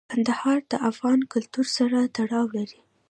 کندهار د افغان کلتور سره تړاو لري.